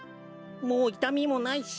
もういたみもないし。